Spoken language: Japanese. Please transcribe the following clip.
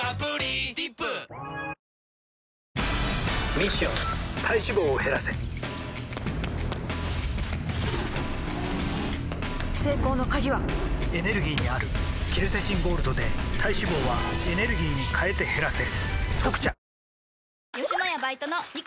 ミッション体脂肪を減らせ成功の鍵はエネルギーにあるケルセチンゴールドで体脂肪はエネルギーに変えて減らせ「特茶」